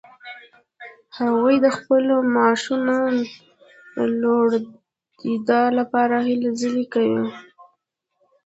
هغوی د خپلو معاشونو د لوړیدا لپاره هلې ځلې کوي.